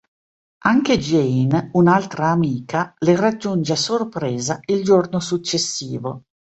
Anche Jane, un'altra amica, le raggiunge a sorpresa il giorno successivo.